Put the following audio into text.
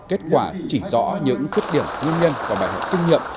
kết quả chỉ rõ những khuyết điểm nguyên nhân và bài học kinh nghiệm